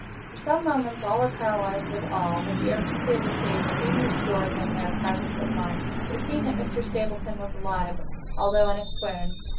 For some moments all were paralyzed with awe—but the urgency of the case soon restored them their presence of mind. It was seen that Mr. Stapleton was alive, although in a swoon.